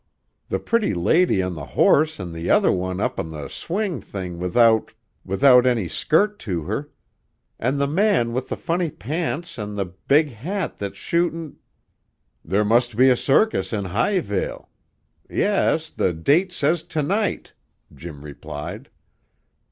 The pretty lady on the horse an' the other one up on the swing thing without without any skirt to her, and the man with the funny pants an' the big hat that's shootin' " "There must be a circus in Highvale yes, the date says to night," Jim replied.